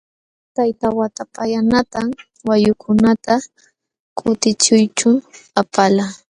Tayta Waytapallanatam wayukunata kutichiyćhu apalqaa.